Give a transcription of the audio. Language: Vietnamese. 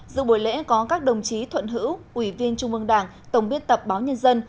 dự buổi lễ có các đồng chí thuận hữu ủy viên trung mương đảng tổng biên tập báo nhân dân